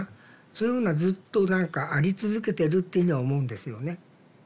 そういうものはずっと何かあり続けてるっていうのは思うんですよね。